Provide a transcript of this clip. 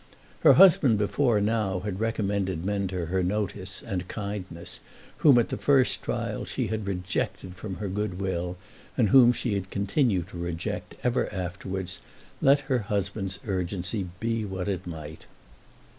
Her husband before now had recommended men to her notice and kindness, whom at the first trial she had rejected from her good will, and whom she had continued to reject ever afterwards, let her husband's urgency be what it might.